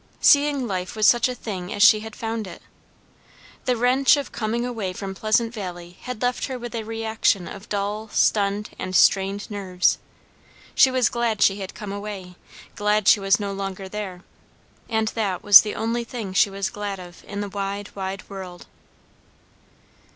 seeing life was such a thing as she had found it. The wrench of coming away from Pleasant Valley had left her with a reaction of dull, stunned, and strained nerves; she was glad she had come away, glad she was no longer there; and that was the only thing she was glad of in the wide, wide world.